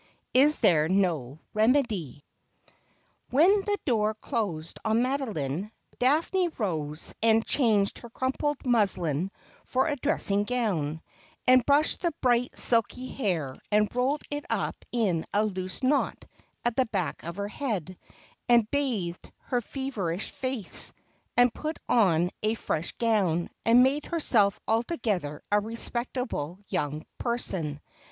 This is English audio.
IS THERE NO REJIEDIE ?' When the door closed on Madoline, Daphne rose and changed her crumpled muslin for a dressing gown, and brushed the bright silky hair and rolled it up in a loose knot at the back of her head, and bathed her feverish face, and put on a fresh gown, and made herself altogether a respectable young person.